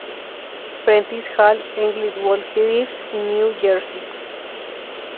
Prentice Hall, Englewood Cliffs, New Jersey.